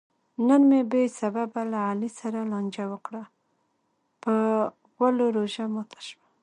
نن مې بې سببه له علي سره لانجه وکړه؛ په غولو روژه ماته شوه.